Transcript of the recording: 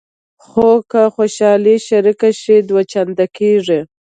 خو که خوشحالي شریکه شي دوه چنده کېږي.